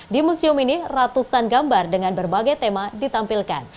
di museum ini ratusan gambar dengan berbagai tema ditampilkan